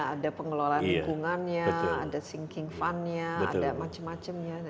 ada pengelolaan lingkungannya ada sinking fund nya ada macam macamnya